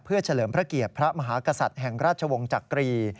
เฉลิมพระเกียรติพระมหากษัตริย์แห่งราชวงศ์จักรี